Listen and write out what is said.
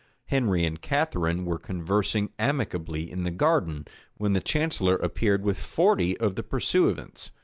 Henry and Catharine were conversing amicably in the garden, when the chancellor appeared with forty of the pursuivants.